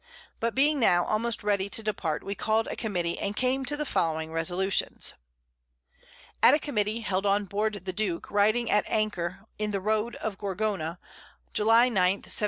But being now almost ready to depart, we call'd a Committee, and came to the following Resolutions. At a Committee held on board the Duke, riding at Anchor in the Road of Gorgona, July 9, 1709.